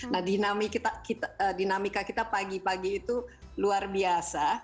nah dinamika kita pagi pagi itu luar biasa